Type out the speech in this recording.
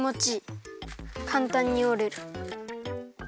かんたんにおれる。